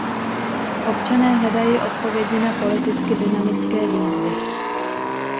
Občané hledají odpovědi na politicky dynamické výzvy.